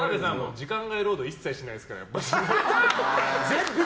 時間外労働一切しないですから。